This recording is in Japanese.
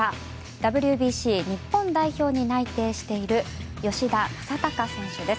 ＷＢＣ日本代表に内定している吉田正尚選手です。